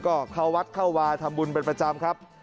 ก็เข้าวัดเข้าวาทำบุญเป็นประจำครับ